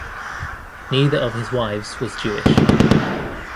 Neither of his wives was Jewish.